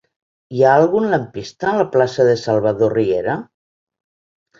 Hi ha algun lampista a la plaça de Salvador Riera?